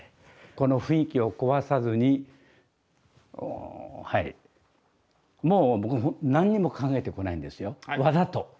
この雰囲気を壊さずにもう僕何にも考えてこないんですよわざと。